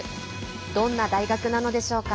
どんな大学なのでしょうか。